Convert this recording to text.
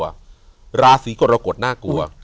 อยู่ที่แม่ศรีวิรัยิลครับ